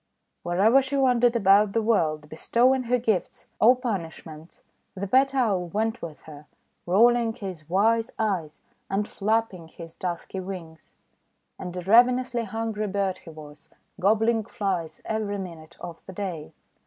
Wherever she wandered about the world be stowing her gifts or punishments, the pet Owl went with her, rolling his wise eyes and flapping THE BOY WHO CAUGHT FLIES 173 his dusky wings. And a ravenously hungry bird he was, gobbling Flies every minute of the day.